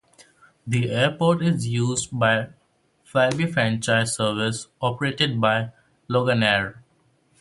The airport is used by Flybe franchise service, operated by Loganair.